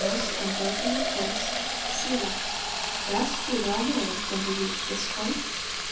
<»t unbroken repose. Selaii. Rest we well may when we reach this point.